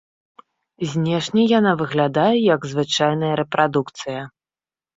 Знешне яна выглядае, як звычайная рэпрадукцыя.